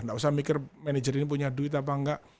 gak usah mikir manager ini punya duit apa enggak